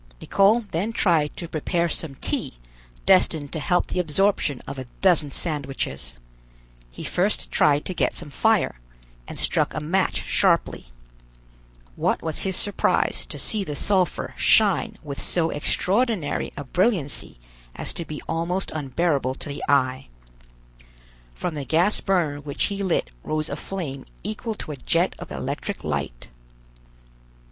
Nicholl then tried to prepare some tea destined to help the absorption of a dozen sandwiches. He first tried to get some fire, and struck a match sharply. What was his surprise to see the sulphur shine with so extraordinary a brilliancy as to be almost unbearable to the eye. From the gas burner which he lit rose a flame equal to a jet of electric light.